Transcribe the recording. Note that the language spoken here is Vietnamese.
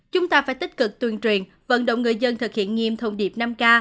chúng ta phải tích cực tuyên truyền vận động người dân thực hiện nghiêm thông điệp năm k